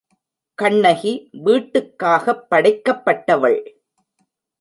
கண்ணகி வீட்டுக்காகப் படைக்கப்பட்டவள்.